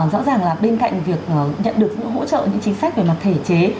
rõ ràng là bên cạnh việc nhận được hỗ trợ những chính sách về mặt thể chế